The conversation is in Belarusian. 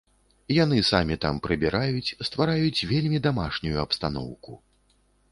Яны самі там прыбіраюць, ствараюць вельмі дамашнюю абстаноўку.